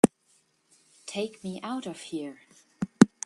Take me out of here!